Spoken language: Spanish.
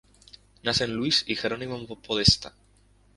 Nacen Luis y Gerónimo Podestá.